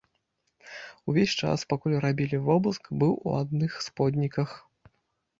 Увесь час, пакуль рабілі вобыск, быў у адных сподніках.